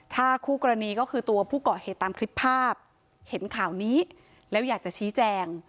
ถ้าคู่กรณีก็คือตัวผู้ก่อเหตุตามคลิปภาพเห็นข่าวนี้แล้วอยากจะชี้แจง